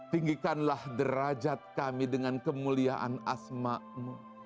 tinggikanlah derajat kami dengan kemuliaan asma'mu